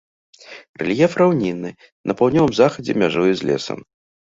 Рэльеф раўнінны, на паўднёвым захадзе мяжуе з лесам.